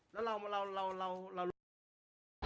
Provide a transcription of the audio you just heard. เขาบอกว่าเขาตามแฟนหนูมาเขาตามหนูตั้งนานแล้ว